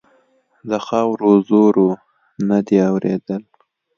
د خاورو زور و؛ نه دې اورېدل.